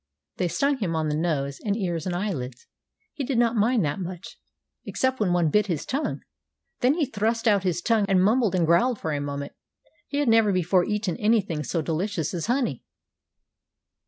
They stung him on his nose and ears and eyelids. He did not mind that much, except when one bit his tongue. Then he thrust out his tongue and mumbled and growled for a moment. He had never before eaten anything so delicious as honey.